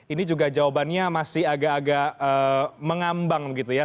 ini juga jawabannya masih agak agak mengambang gitu ya